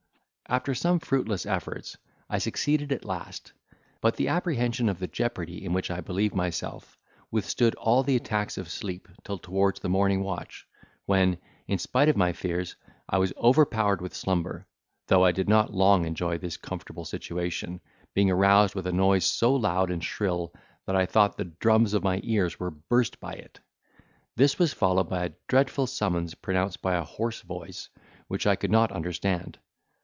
After some fruitless efforts, I succeeded at last; but the apprehension of the jeopardy in which I believed myself withstood all the attacks of sleep till towards the morning watch, when, in spite of my fears, I was overpowered with slumber, though I did not long enjoy this comfortable situation, being aroused with a noise so loud and shrill, that I thought the drums of my ears were burst by it; this was followed by a dreadful summons pronounced by a hoarse voice, which I could not understand.